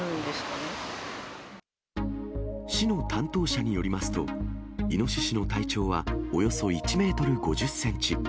市の担当者によりますと、イノシシの体長はおよそ１メートル５０センチ。